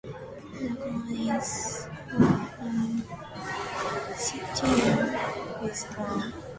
The crown is often tinged with brown.